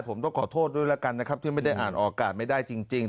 ผมต้องขอโทษด้วยแล้วกันนะครับที่ไม่ได้อ่านออกอากาศไม่ได้จริง